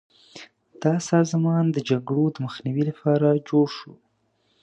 دا سازمان د جګړو د مخنیوي لپاره جوړ شو.